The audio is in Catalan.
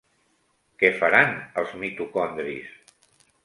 Què faran els mitocondris?